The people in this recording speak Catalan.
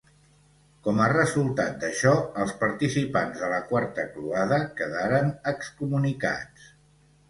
Com a resultat d'això, els participants de la quarta croada quedaren excomunicats.